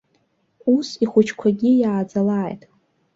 Ус ихәыҷқәагьы иааӡалааит!